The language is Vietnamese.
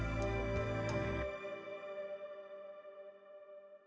đồng thời cũng được bầu làm ủy viên không thường trực của hội đồng bảo an liên hợp quốc